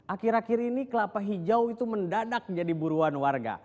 akhir akhir ini kelapa hijau itu mendadak jadi buruan warga